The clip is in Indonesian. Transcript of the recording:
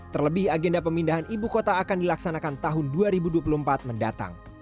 terlebih agenda pemindahan ibu kota akan dilaksanakan tahun dua ribu dua puluh empat mendatang